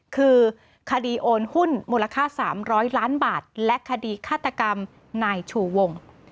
คือคดีโอนหุ้นมูลค่า๓๐๐ล้านบาทและคดีฆาตกรรมนายชูวง